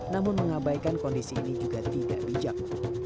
namun mengabaikan kondisi ini juga tidak bijak